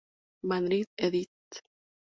Madrid, Edit.